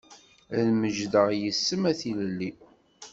Ad mejdeɣ yis-m a tilelli.